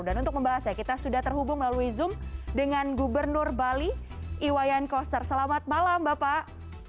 dan untuk membahasnya kita sudah terhubung melalui zoom dengan gubernur bali iwayan koster selamat malam bapak